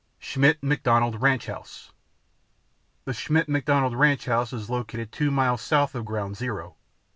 SCHMIDT McDONALD RANCH HOUSE The Schmidt McDonald ranch house is located two miles south of Ground Zero.